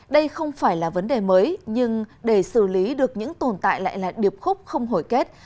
đây không phải là vấn đề mới nhưng để xử lý được những tồn tại lại là điệp khúc không hồi kết